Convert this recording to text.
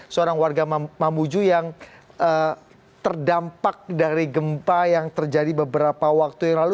seorang warga mamuju yang terdampak dari gempa yang terjadi beberapa waktu yang lalu